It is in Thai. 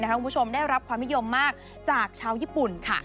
คุณผู้ชมได้รับความนิยมมากจากชาวญี่ปุ่นค่ะ